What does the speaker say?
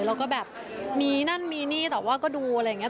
แล้วก็แบบมีนั่นมีนี่แต่ว่าก็ดูอะไรอย่างนี้